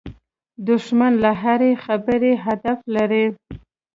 دښمن له هرې خبرې هدف لري